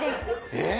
えっ？